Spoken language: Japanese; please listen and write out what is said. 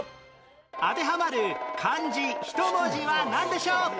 当てはまる漢字１文字はなんでしょう？